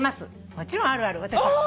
もちろんあるある私は。